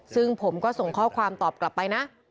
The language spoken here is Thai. ซึ่งผมก็ส่งข้อความตอบกลับไปนะ